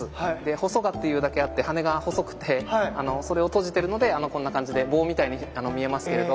ホソガというだけあって羽が細くてそれを閉じてるのでこんな感じで棒みたいに見えますけれど。